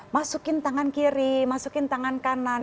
masukin tangan kiri masukin tangan kanan